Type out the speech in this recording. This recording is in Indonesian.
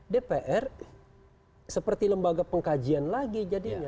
dpr seperti lembaga pengkajian lagi jadinya